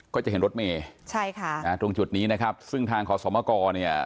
ก็จะเห็นรถเมย์ใช่ค่ะอ่าตรงจุดนี้นะครับซึ่งทางขอสมกรเนี่ย